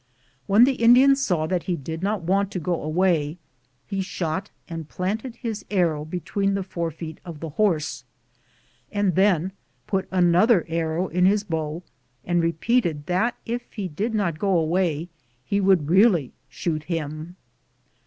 When the Indian saw that he did not want to go away, he shot and planted his arrow between the fore feet of the horse, and then put another arrow in his bow and repeated that if he did not go away he would really shoot him.